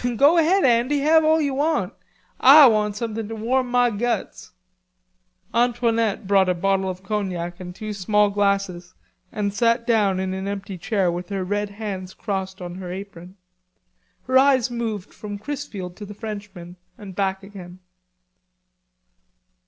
"Go ahead, Andy; have all ye want. Ah want some thin' to warm ma guts." Antoinette brought a bottle of cognac and two small glasses and sat down in an empty chair with her red hands crossed on her apron. Her eyes moved from Chrisfield to the Frenchman and back again.